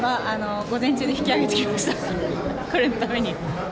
午前中で引き上げてきました、これのために。